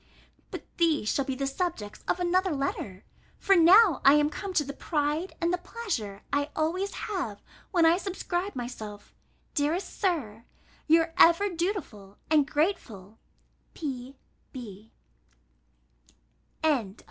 But these shall be the subjects of another letter; for now I am come to the pride and the pleasure I always have, when I subscribe myself, dearest Sir, your ever dutiful and grateful P.B.